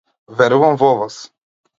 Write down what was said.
Верувам во вас.